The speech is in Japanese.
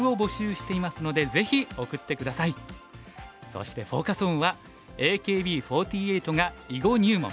そしてフォーカス・オンは「ＡＫＢ４８が囲碁入門！